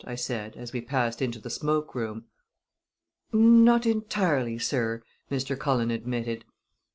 I said as we passed into the smoke room. "Not entirely, sir," Mr. Cullen admitted.